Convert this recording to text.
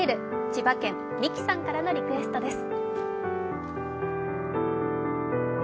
千葉県みきさんからのリクエストです。